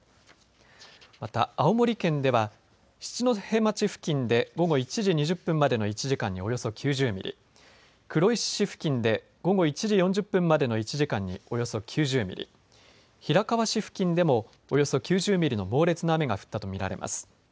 また青森県では七戸町付近で午後１時２０分までの１時間におよそ９０ミリ、黒石市付近で午後１時４０分までの１時間におよそ９０ミリ、平川市付近でもおよそ９０ミリの猛烈な雨が降ったと見られます。